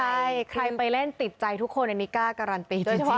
ใช่ใครไปเล่นติดใจทุกคนอันนี้กล้าการันตี